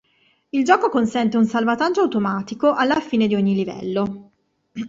Il gioco consente un salvataggio automatico, alla fine di ogni livello.